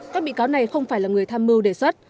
các bị cáo này không phải là người tham mưu đề xuất